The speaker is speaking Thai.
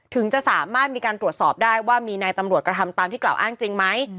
ถึงจะสามารถมีการตรวจสอบได้ว่ามีนายตำรวจกระทำตามที่กล่าวอ้างจริงไหม